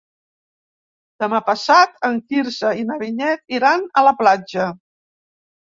Demà passat en Quirze i na Vinyet iran a la platja.